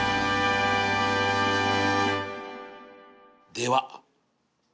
では